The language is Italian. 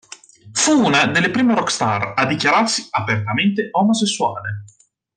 Fu una delle prime rockstar a dichiararsi apertamente omosessuale.